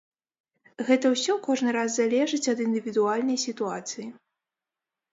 Гэта ўсё кожны раз залежыць ад індывідуальнай сітуацыі.